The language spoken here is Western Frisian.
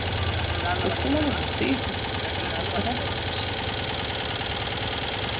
De koaning hat tiisdeitemiddei in ferrassingsbesite brocht.